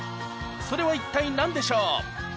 それは一体何でしょう？